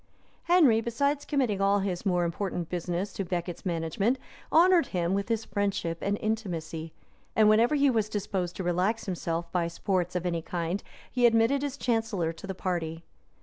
] Henry, besides committing all his more important business to Becket's management, honored him with his friendship and intimacy; and whenever he was disposed to relax himself by sports of any kind, he admitted his chancellor to the party.